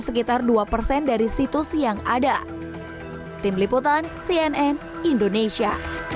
sekitar dua persen dari situs yang ada tim liputan cnn indonesia